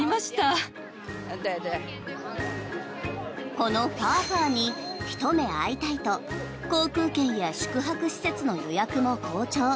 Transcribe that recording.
このファーファーにひと目会いたいと航空券や宿泊施設の予約も好調。